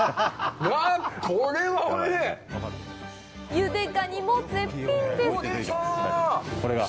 ゆでガニも絶品です！